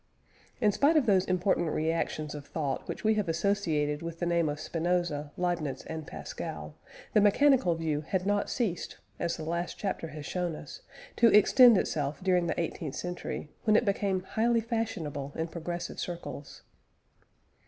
In spite of those important reactions of thought which we have associated with the name of Spinoza, Leibniz, and Pascal, the mechanical view had not ceased, as the last chapter has shown us, to extend itself during the eighteenth century, when it became highly fashionable in progressive circles.